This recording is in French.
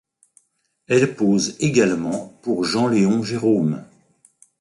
Elle pose également pour Jean-Léon Gérôme.